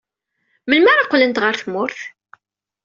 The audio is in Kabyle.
Melmi ara qqlent ɣer tmurt?